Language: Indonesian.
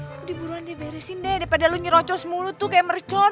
aku di buruan deh beresin deh daripada lo nyerocos mulu tuh kayak mercon